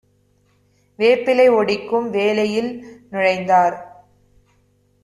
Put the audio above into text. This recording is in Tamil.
வேப்பிலை ஒடிக்கும் வேலையில் நுழைந்தார்.